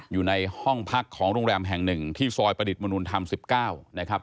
อยู่ในห้องพักของโรงแรมแห่งหนึ่งที่ซอยประดิษฐ์มนุนธรรม๑๙นะครับ